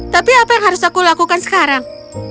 tapi apa yang harus aku lakukan sekarang